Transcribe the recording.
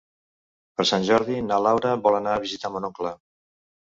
Per Sant Jordi na Laura vol anar a visitar mon oncle.